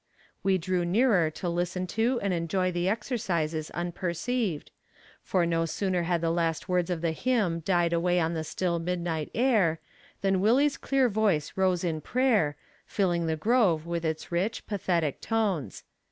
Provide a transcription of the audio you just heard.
We drew nearer to listen to and enjoy the exercises unperceived, for no sooner had the last words of the hymn died away on the still midnight air, than Willie's clear voice rose in prayer, filling the grove with its rich, pathetic tones.